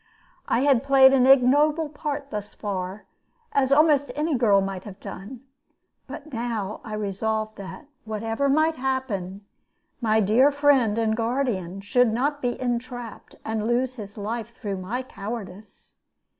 I had played an ignoble part thus far, as almost any girl might have done. But now I resolved that, whatever might happen, my dear friend and guardian should not be entrapped and lose his life through my cowardice.